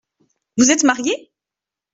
Vous êtes marié ?